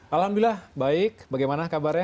alhamdulillah baik bagaimana kabarnya